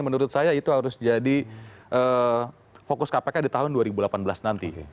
menurut saya itu harus jadi fokus kpk di tahun dua ribu delapan belas nanti